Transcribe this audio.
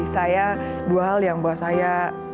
saya dua hal yang buat saya